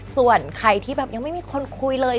ส่วนใครที่แบบยังไม่มีคนคุยเลย